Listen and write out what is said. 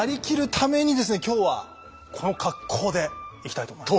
今日はこの格好でいきたいと思います。